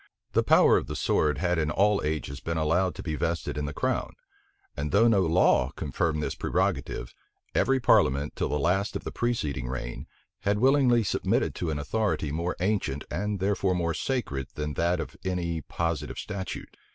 The power of the sword had in all ages been allowed to be vested in the crown; and though no law conferred this prerogative every parliament, till the last of the preceding reign, had willingly submitted to an authority more ancient, and therefore more sacred, than that of any positive statute.